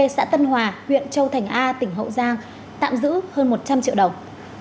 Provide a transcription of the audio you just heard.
xã tân hòa huyện châu thành a tỉnh hậu giang tạm giữ hơn một trăm linh triệu đồng